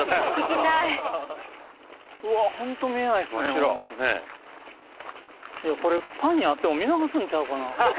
水田：これ、パン屋あっても見逃すんちゃうかな。